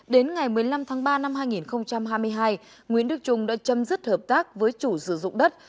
đến ngày một mươi năm tháng ba năm hai nghìn hai mươi hai nguyễn đức trung đã chấm dứt hợp tác với chủ sử dụng đất